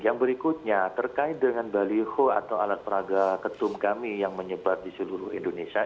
yang berikutnya terkait dengan baliho atau alat peraga ketum kami yang menyebar di seluruh indonesia